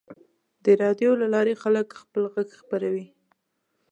د راډیو له لارې خلک خپل غږ خپروي.